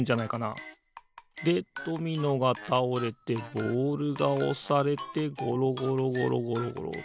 でドミノがたおれてボールがおされてごろごろごろごろ。